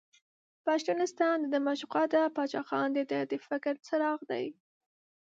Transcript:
پښتونستان دده معشوقه ده، باچا خان دده د فکر څراغ دی.